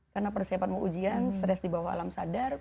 karena persiapan mau ujian stres di bawah alam sadar